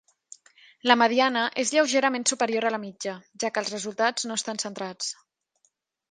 La mediana és lleugerament superior a la mitja, ja que els resultats no estan centrats.